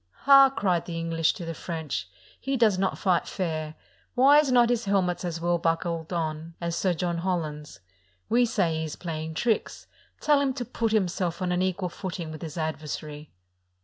" Ha," cried the English to the French, *' he does S8o A JOUST AT THE COURT OF PORTUGAL not fight fair; why is not his helmet as well buckled on as Sir John Holland's? We say he is playing tricks: tell him to put himself on an equal footing with his adversary."